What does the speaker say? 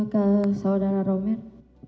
kak saudara roman